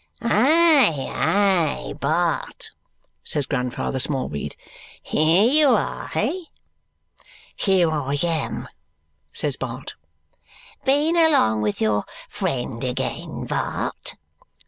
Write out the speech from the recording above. "Aye, aye, Bart!" says Grandfather Smallweed. "Here you are, hey?" "Here I am," says Bart. "Been along with your friend again, Bart?"